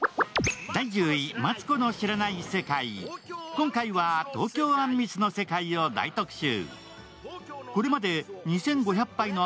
今回は東京あんみつの世界を大特集。